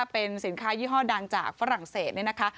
เป็นสินค้ายี่ห้อดังจากฝรั่งเศสนี่นะคะ